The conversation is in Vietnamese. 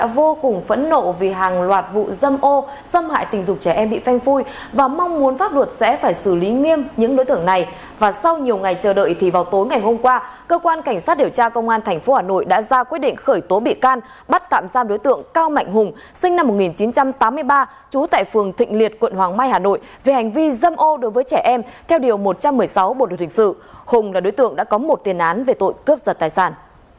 về hành vi dâm ô đối với trẻ em theo điều một trăm một mươi sáu bộ đội thỉnh sự hùng là đối tượng đã có một tiền án về tội cướp giật tài sản